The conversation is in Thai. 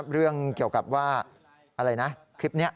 เรื่องเกี่ยวกับว่าอะไรนะคลิปนี้